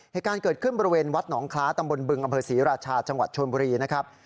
เหตุการณ์เกิดขึ้นบริเวณวัดหนองคล้าตำบลบึงอำเภอศรีราชาจังหวัดชนบุรีนะครับ